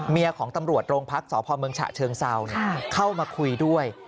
ของตำรวจโรงพักษพเมืองฉะเชิงเซาเข้ามาคุยด้วย